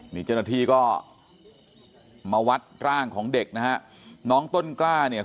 นี่เจ้าหน้าที่ก็มาวัดร่างของเด็กนะฮะน้องต้นกล้าเนี่ย